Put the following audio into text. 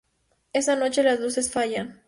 Esa noche, las luces fallan.